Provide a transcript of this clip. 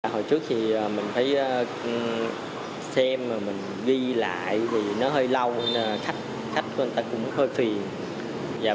hồi trước thì mình thấy xem mà mình ghi lại thì nó hơi lâu nên khách của người ta cũng hơi phiền